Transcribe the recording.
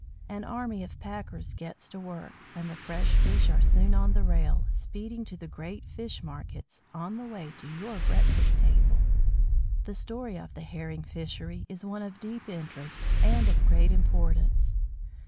An army of packers gets to work; and the fresh fish are soon on the rail, speeding to the great fish markets, on the way to your breakfast table. The story of the Herring fishery is one of deep interest, and of great importance.